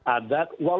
ada dpr memahami